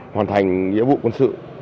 hoàn thành nhiệm vụ quân sự